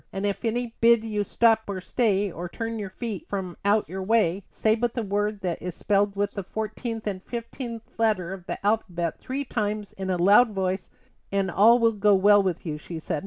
"And if any bid you stop or stay, or turn your feet from out your way, say but the word that is spelled with the fourteenth and fifteenth letters of the alphabet three times in a loud voice, and all will go well with you," she said.